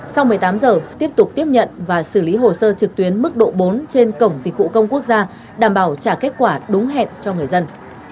sau một mươi tám giờ tiếp tục tiếp nhận và xử lý hồ sơ trực tuyến mức độ bốn trên cổng dịch vụ công quốc gia đảm bảo trả kết quả đúng hẹn cho người dân